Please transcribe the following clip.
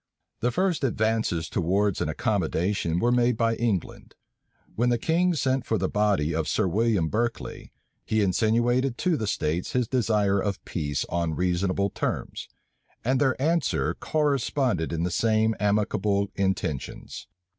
The first advances towards an accommodation were made by England. When the king sent for the body of Sir William Berkeley, he insinuated to the states his desire of peace on reasonable terms; and their answer corresponded in the same amicable intentions.